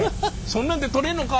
そんなんで取れんのか？